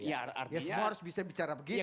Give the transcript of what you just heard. ya semua harus bisa bicara begitu dong